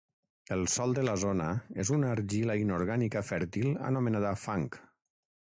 El sòl de la zona és una argila inorgànica fèrtil anomenada fang.